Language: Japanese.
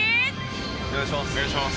お願いします。